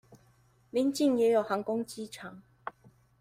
鄰近也有航空機場